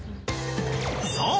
［そう！